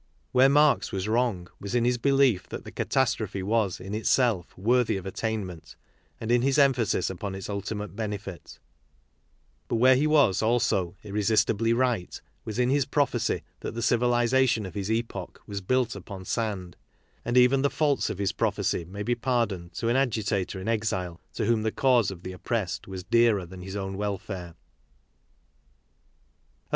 Where Marx was wrong was in his belief that the catas trophe was, in itself, worthy of attainment and in his emphasis upon its ultimate benefit. But where he was, 46 KARL MARX also, irresistibly right was in his prophecy that the civilization of his epoch was built upon sand. And even the faults of his prophecy may be pardoned to an agitator in exile to whom the cause of the oppressed was dearer than his own welfare.